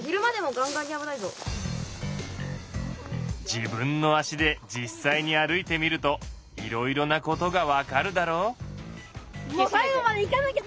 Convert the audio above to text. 自分の足で実際に歩いてみるといろいろなことが分かるだろう？